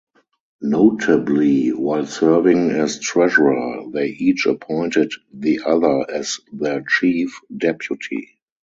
Notably, while serving as treasurer they each appointed the other as their chief deputy.